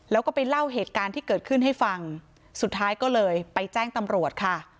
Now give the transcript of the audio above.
แล้วก็ไปเล่าเหตุการณ์ที่เกิดขึ้นให้ฟังสุดท้ายก็เลยไปแจ้งตำรวจค่ะ